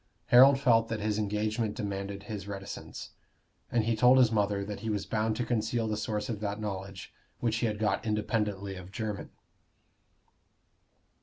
Harold felt that his engagement demanded his reticence; and he told his mother that he was bound to conceal the source of that knowledge which he had got independently of Jermyn.